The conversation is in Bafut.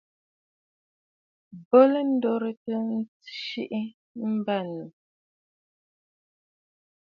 Bo lɛ ndoritə tsiʼi mbə̂nnù.